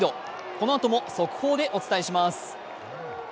このあとも速報でお伝えします。